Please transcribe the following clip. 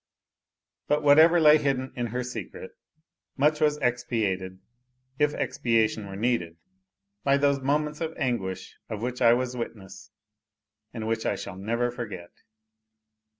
But whatever lay hidden in her secret, much was expiated, if expiation were needed, by those moments of anguish of which I was witness and which I shall never forget.